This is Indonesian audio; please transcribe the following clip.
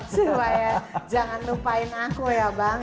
supaya jangan lupain aku ya bang